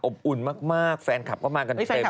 อบอุ่นมากแฟนคลับเข้ามากันเต็ม